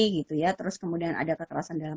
gitu ya terus kemudian ada kekerasan dalam